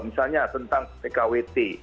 misalnya tentang pkwt